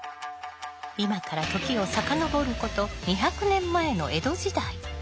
今から時を遡ること２００年前の江戸時代。